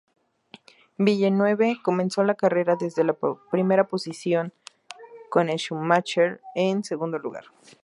Villeneuve comenzó la carrera desde la primera posición, con Schumacher en segundo lugar.